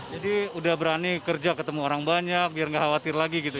jadi udah berani kerja ketemu orang banyak biar gak khawatir lagi gitu ya